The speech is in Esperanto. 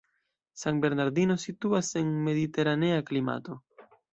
San Bernardino situas en mediteranea klimato.